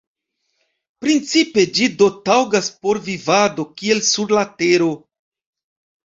Principe ĝi do taŭgas por vivado, kiel sur la Tero.